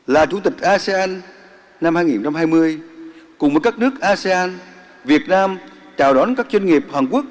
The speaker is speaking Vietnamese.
là chủ tịch asean năm hai nghìn hai mươi cùng với các nước asean việt nam chào đón các doanh nghiệp hàn quốc